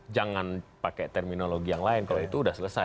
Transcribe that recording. jangan pakai terminologi yang lain kalau itu sudah selesai